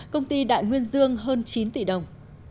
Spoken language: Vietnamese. công ty đại nguyên dương hơn chín tỷ đồng